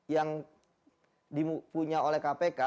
yang dimiliki oleh kpk